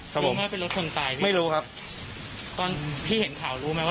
ซื้อรถปกติครับ